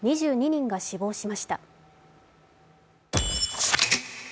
２２人が死亡しました。